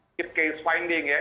keep case finding ya